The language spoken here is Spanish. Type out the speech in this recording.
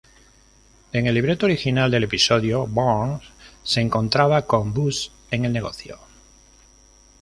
En el libreto original del episodio, Burns se encontraba con Bush en el negocio.